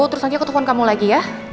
terus nanti aku telfon kamu lagi ya